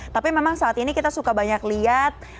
tapi memang saat ini kita suka banyak lihat